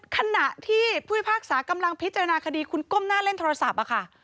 ขณะที่ผู้พิพากษากำลังพิจารณาคดีคุณก้มหน้าเล่นโทรศัพท์ค่ะ